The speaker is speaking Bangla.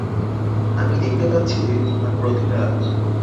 আমি দেখতে পাচ্ছি যে তোমার প্রতিভা আছে।